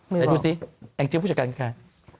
เดี๋ยวดูสิแองจี้ผู้จัดการคือใคร